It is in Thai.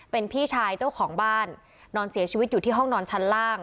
เป็นพี่ชายเจ้าของบ้านนอนเสียชีวิตอยู่ที่ห้องนอนชั้นล่าง